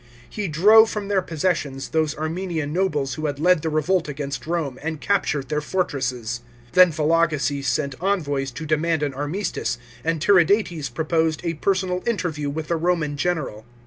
He drove from their possessions those Armenian nobles who had led the revolt against Rome, and captured their fortresses. Then Vologeses sent envoys to demand an armistice, and Tiridates proposed a personal interview with the Roman general.